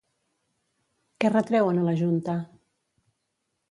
Què retreuen a la junta?